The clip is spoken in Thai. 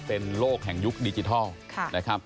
เป็นโลกแห่งยุคดิจิทัล